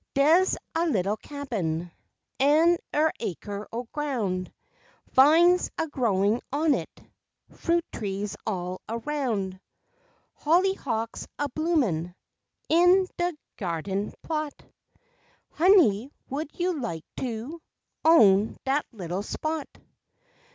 Des a little cabin, An' er acre o' groun', Vines agrowin' on it, Fruit trees all aroun', Hollyhawks a bloomin' In de gyahden plot Honey, would you like to Own dat little spot?